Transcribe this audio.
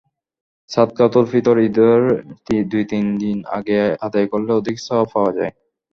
সাদাকাতুল ফিতর ঈদের দু-তিন দিন আগে আদায় করলে অধিক সওয়াব পাওয়া যায়।